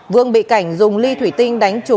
vương bị cảnh dùng ly thủy tinh